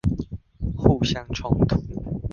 互相衝突